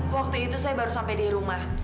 waktu itu saya baru sampai di rumah